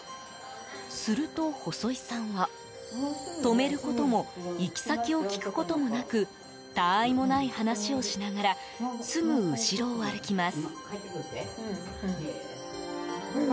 すると、細井さんは止めることも行き先を聞くこともなくたわいもない話をしながらすぐ後ろを歩きます。